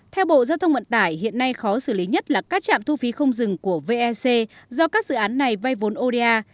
theo bộ giao thông vận tải hiện nay khó xử lý nhất là các trạm thu phí không dừng của vec do các dự án này vay vốn oda